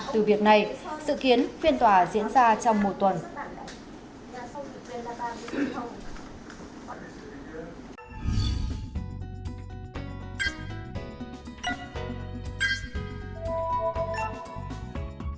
từ việc này dự kiến phiên tòa diễn ra trong một tuần